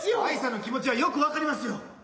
藍さんの気持ちはよく分かりますよ。